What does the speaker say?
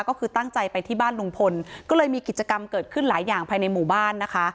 ก็คือตั้งใจไปที่บ้านลุงพลก็เลยมีกิจกรรมเกิดขึ้นหลายอย่างภายในหมู่บ้านนะคะ